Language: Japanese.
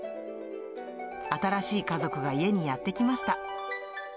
新しい家族が家にやって来ました。